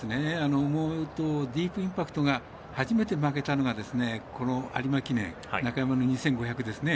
ディープインパクトが初めて負けたのがこの有馬記念中山の２５００ですね。